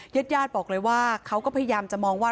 เย็ดบอกเลยว่าเขาก็พยายามจะมองว่า